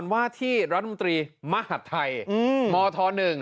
ว่าที่รัฐมนตรีมหาดไทยมธ๑